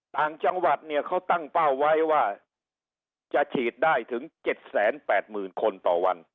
ต่างจังหวัดเนี่ยเขาตั้งเป้าไว้ว่าจะฉีดได้ถึง๗๘๐๐๐คนต่อวัน